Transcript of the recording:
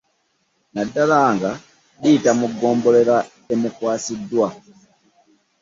Naddala nga liyita mu ggombolola emukwasiddwa